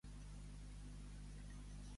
Ser un boixet.